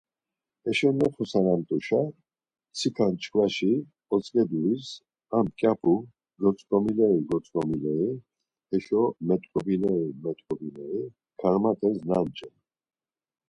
Heşo noxorsalamt̆uşa mtsika çkvaşi otzǩeduis ar mǩyapu gotzǩomileri goshǩomileri, heşo met̆ǩobineri met̆ǩobineri karmat̆es nanç̌en.